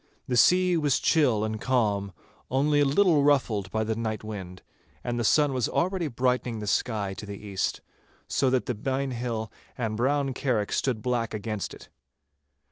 The sea was chill and calm, only a little ruffled by the night wind, and the sun was already brightening the sky to the east, so that the Byne Hill and Brown Carrick stood black against it.